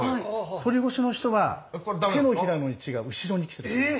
反り腰の人は手のひらの位置が後ろにきてます。